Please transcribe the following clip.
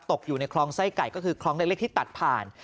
ตกอยู่ในคลองไส้ไก่ก็คือคลองเล็กที่ตัดผ่าน